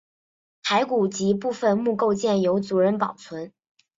骸骨及部分墓构件由族人保存。